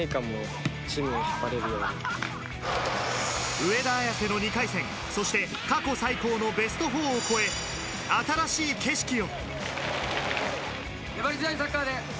上田綺世の２回戦、そして過去最高のベスト４を超え、新しい景色を！